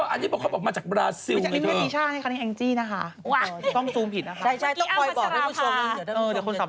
อันนี้พร้อมออกมาจากบราซิลไงเธอ